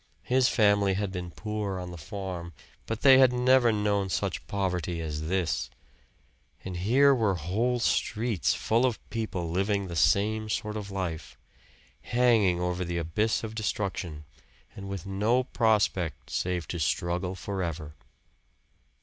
His family had been poor on the farm, but they had never known such poverty as this. And here were whole streets full of people living the same sort of life; hanging over the abyss of destruction, and with no prospect save to struggle forever.